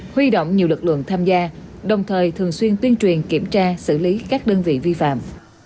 huy động nhiều lực lượng tham gia đồng thời thường xuyên tuyên truyền kiểm tra xử lý các đơn vị vi phạm